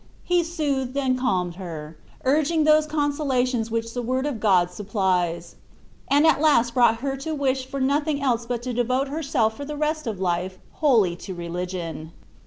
He soothed and calmed her, urging those consolations which the word of God supplies; and at last brought her to wish for nothing else but to devote herself for the rest of life wholly to religion.